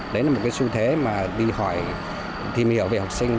đấy là một cái xu thế mà đi khỏi tìm hiểu về học sinh